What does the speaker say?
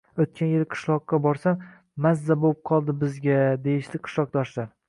“...Oʻtgan yili qishloqqa borsam, “mazza boʻp qoldi bizaga” deyishdi qishloqdoshlar.